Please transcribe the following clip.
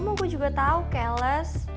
mau gue juga tau keles